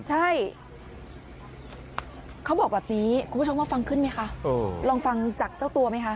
ใช่เขาบอกแบบนี้คุณผู้ชมว่าฟังขึ้นไหมคะลองฟังจากเจ้าตัวไหมคะ